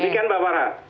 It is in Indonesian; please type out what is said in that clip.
demikian mbak farah